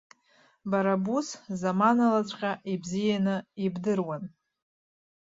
Бара бус заманалаҵәҟьа ибзианы ибдыруан.